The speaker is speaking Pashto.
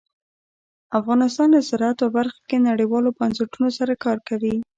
افغانستان د زراعت په برخه کې نړیوالو بنسټونو سره کار کوي.